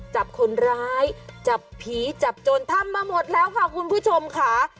จับคนร้ายจับผีจับโจรทำมาหมดแล้วค่ะคุณผู้ชมค่ะ